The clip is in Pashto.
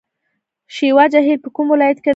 شیوا جهیل په کوم ولایت کې دی؟